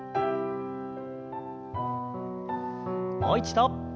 もう一度。